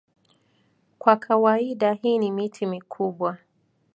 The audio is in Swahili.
Kwa kawaida hii ni miti mikubwa.